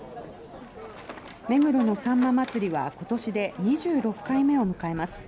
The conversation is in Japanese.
目黒のさんま祭は今年で２６回目を迎えます。